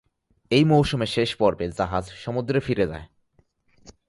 এই মৌসুমের শেষ পর্বে জাহাজ সমুদ্রে ফিরে যায়।